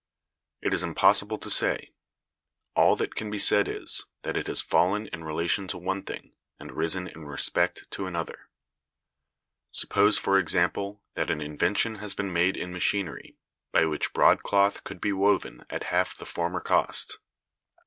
It is impossible to say: all that can be said is, that it has fallen in relation to one thing, and risen in respect to another. Suppose, for example, that an invention has been made in machinery, by which broadcloth could be woven at half the former cost.